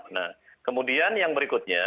nah kemudian yang berikutnya